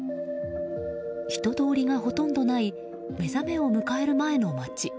人通りがほとんどない目覚めを迎える前の街。